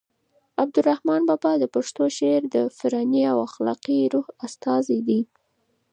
عبدالرحمان بابا د پښتو شعر د عرفاني او اخلاقي روح استازی دی.